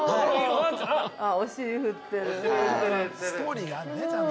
◆お尻振ってる。